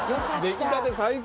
出来たて最高！